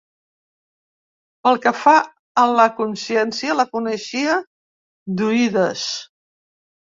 Pel que fa a la consciència la coneixia d'oïdes.